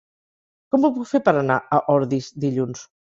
Com ho puc fer per anar a Ordis dilluns?